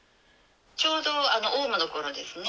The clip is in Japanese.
ちょうどオウムの頃ですね